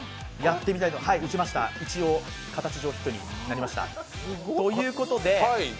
打ちました、一応、形はヒットになりました。